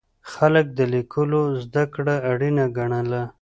خلک د لیکلو زده کړه اړینه ګڼله.